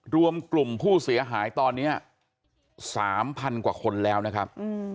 รวมกลุ่มผู้เสียหายตอนนี้๓๐๐กว่าคนแล้วนะครับ